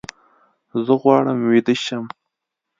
زه غواړم ویده شم